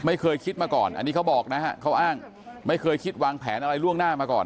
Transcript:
ไม่เคยคิดมาก่อนอันนี้เขาบอกนะฮะเขาอ้างไม่เคยคิดวางแผนอะไรล่วงหน้ามาก่อน